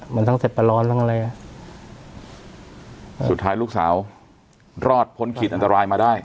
มันทั้งเสร็จปะร้อนทั้งอะไรอ่ะสุดท้ายลูกสาวรอดพ้นขีดอันตรายมาได้